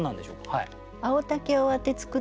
はい。